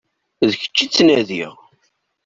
D kečč i ttnadiɣ.